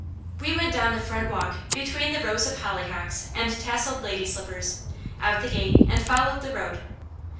We went down the front walk between the rows of hollyhocks and tasselled lady slippers, out the gate, and followed the road.